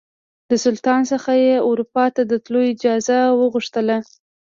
د سلطان څخه یې اروپا ته د تللو اجازه وغوښتله.